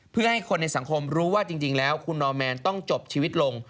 เพื่อให้คนในสังคมรู้ว่าจริงแล้วคุณนอร์แมนต้องจบชีวิตลง